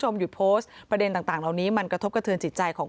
หยุดโพสต์ประเด็นต่างเหล่านี้มันกระทบกระเทือนจิตใจของ